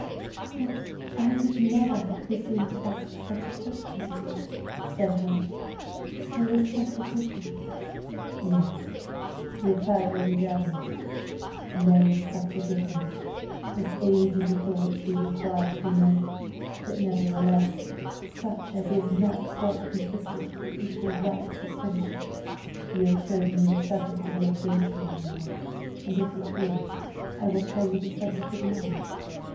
"But I could never have presumed to ask such a question of you," said Helen, "there is such a difference." "Yes," replied Lady Davenant; "there is such a difference as age and authority require to be made, but nevertheless, such as is not quite consistent with the equal rights of friendship. You have told me the subject of your day dream, my love, and if you please, I will tell you the subject of mine.